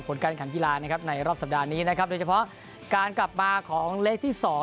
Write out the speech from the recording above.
การขันกีฬานะครับในรอบสัปดาห์นี้นะครับโดยเฉพาะการกลับมาของเลขที่๒